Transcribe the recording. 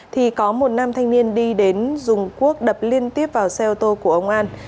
thì có một nam thanh niên đi đến dùng cuốc đập liên tiếp vào xe ô tô của ông an